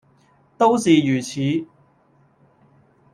都是如此。